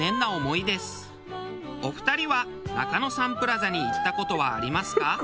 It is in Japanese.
お二人は中野サンプラザに行った事はありますか？